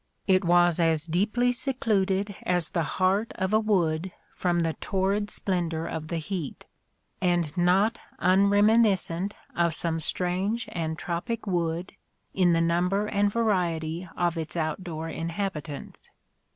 It was as deeply secluded as the heart of a wood from the torrid splendour of the heat : and not unreminiscent of some strange and tropic wood, in the number and variety of its out door inhabitants.